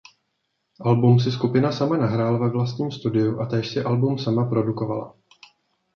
Album si skupina sama nahrála ve vlastním studiu a též si album sama produkovala.